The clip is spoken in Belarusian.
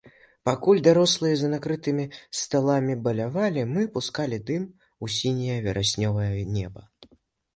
Пакуль дарослыя за накрытымі сталамі балявалі, мы пускалі дым у сіняе вераснёвае неба.